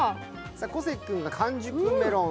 小関君は完熟メロン。